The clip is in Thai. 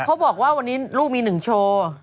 แอฟเขาบอกว่าวันนี้ลูกมีหนึ่งโชว์